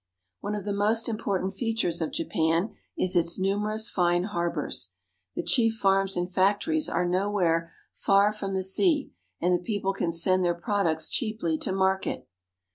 One of the most important features of Japan is its nu merous fine harbors. The chief farms and factories are 28 THE ISLAND EMPIRE OF JAPAN nowhere far from the sea, and the people can send their products cheaply to market.